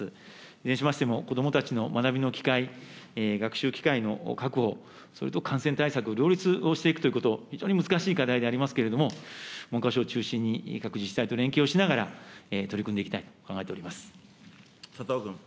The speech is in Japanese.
いずれにしましても、子どもたちの学びの機会、学習機会の確保、それと感染対策を両立をしていくということ、本当に難しい課題でありますけれども、文科省を中心に、各自治体と連携しながら、取り組んでいきたいと考佐藤君。